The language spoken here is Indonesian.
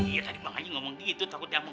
iya tadi bang haji ngomong gitu takut diamuk masa